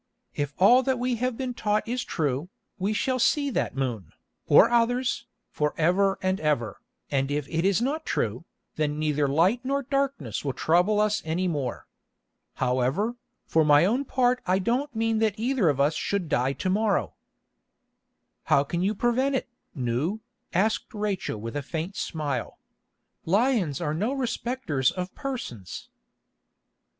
If all that we have been taught is true, we shall see that moon, or others, for ever and ever, and if it is not true, then neither light nor darkness will trouble us any more. However, for my own part I don't mean that either of us should die to morrow." "How can you prevent it, Nou?" asked Rachel with a faint smile. "Lions are no respecters of persons."